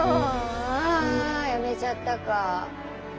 あやめちゃったか。